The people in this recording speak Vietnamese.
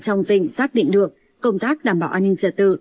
trong tỉnh xác định được công tác đảm bảo an ninh trật tự